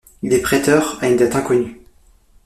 Il est préteur à une date inconnue.